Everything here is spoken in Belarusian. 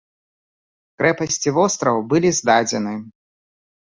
Крэпасць і востраў былі здадзены.